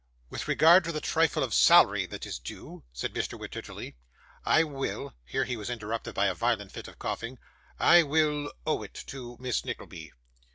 'With regard to the trifle of salary that is due,' said Mr. Wititterly, 'I will' here he was interrupted by a violent fit of coughing 'I will owe it to Miss Nickleby.